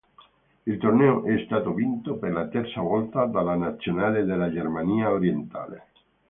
Il torneo è stato vinto per la terza volta dalla nazionale della Germania Orientale.